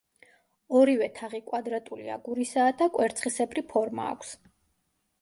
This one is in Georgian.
ორივე თაღი კვადრატული აგურისაა და კვერცხისებრი ფორმა აქვს.